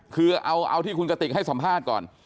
คือเอาที่คุณกติกให้สัมภาษณ์ก่อน